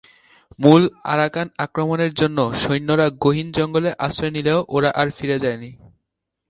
মূল আরাকান আক্রমণের জন্য সৈন্যরা গহীন জঙ্গলে আশ্রয় নিলেও ওরা আর ফিরে যায়নি।